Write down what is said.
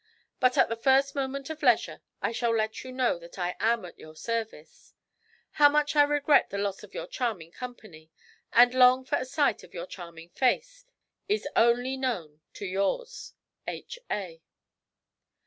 But at the first moment of leisure I shall let you know that I am at your service. How much I regret the loss of your charming company, and long for a sight of your charming face, is only known to yours, '"H. A.'